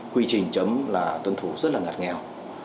quy trình chấm là tuân thủ rất là ngặt nghèo